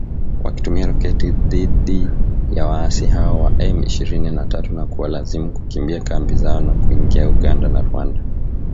wakitumia roketi dhidi ya waasi hao wa M ishirini na tatu na kuwalazimu kukimbia kambi zao na kuingia Uganda na Rwanda